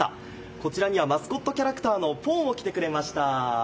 こちらにはマスコットキャラクターのぽぉも来てくれました。